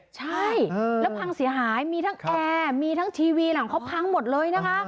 ใช่แล้วพังเสียหายมีทั้งแอร์มีทั้งทีวีหลังเขาพังหมดเลยนะคะ